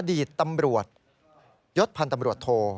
ดีตตำรวจยศพันธ์ตำรวจโท